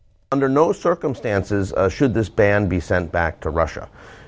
apakah anggota ben tersebut akan dihantar ke rusia